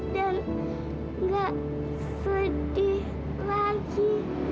dan gak sedih lagi